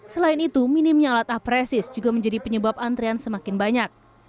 selain itu minimnya alat apresif juga menjadi penyebab antrian semakin banyak